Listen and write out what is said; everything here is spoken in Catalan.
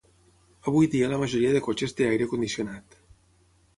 Avui dia la majoria de cotxes té aire condicionat.